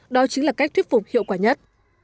đó chính là cách thuyết phục hiệu quả nhất